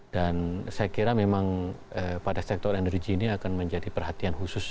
saya kira memang pada sektor energi ini akan menjadi perhatian khusus